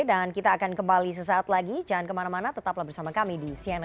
dan kita akan kembali sesaat lagi jangan kemana mana tetaplah bersama kami di cnn indonesia news